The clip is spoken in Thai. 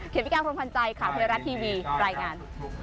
เขตพิการพลพันธ์ใจขาวเทศรัทย์ทีวีรายงาน